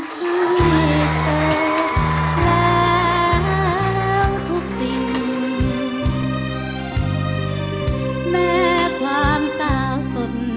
ขอบคุณครับ